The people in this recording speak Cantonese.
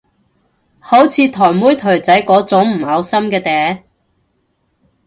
好似台妹台仔嗰種唔嘔心嘅嗲